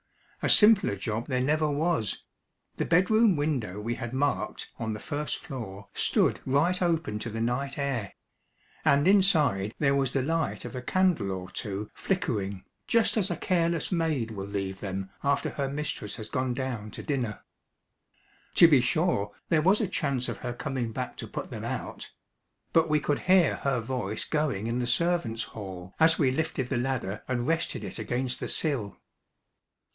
A simpler job there never was. The bedroom window we had marked on the first floor stood right open to the night air; and inside there was the light of a candle or two flickering, just as a careless maid will leave them after her mistress has gone down to dinner. To be sure there was a chance of her coming back to put them out; but we could hear her voice going in the servants' hall as we lifted the ladder and rested it against the sill.